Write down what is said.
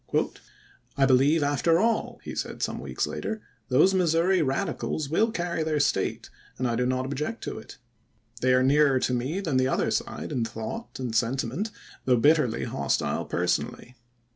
" I believe after all," he said some weeks later, " those Mis souri Radicals will carry their State, and I do not object to it. They are nearer to me than the other side in thought and sentiment, though bit terly hostile personally.